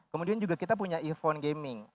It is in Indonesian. kemudian juga kita punya event gaming